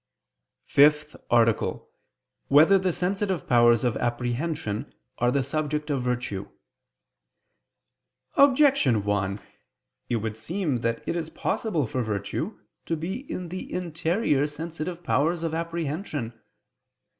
________________________ FIFTH ARTICLE [I II, Q. 56, Art. 5] Whether the Sensitive Powers of Apprehension Are the Subject of Virtue? Objection 1: It would seem that it is possible for virtue to be in the interior sensitive powers of apprehension.